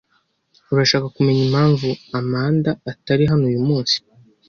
Urashaka kumenya impamvu Amanda atari hano uyumunsi?